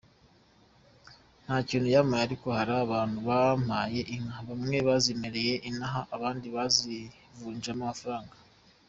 Nta kintu yampaye, ariko hari abantu bampaye inka, bamwe bazimpereye inaha abandi bazivunjamo amafaranga.